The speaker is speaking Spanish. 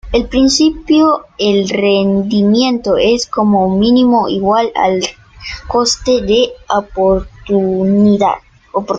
En principio, el rendimiento es como mínimo igual al coste de oportunidad.